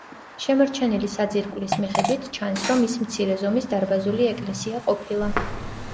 შემორჩენილი საძირკვლის მიხედვით ჩანს, რომ ის მცირე ზომის დარბაზული ეკლესია ყოფილა.